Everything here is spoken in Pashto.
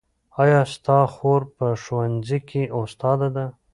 ایا ستا خور په ښوونځي کې استاده ده؟